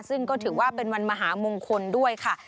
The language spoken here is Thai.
ซึ่งก็ถือว่าเป็นวันมหามงคลด้วยค่ะ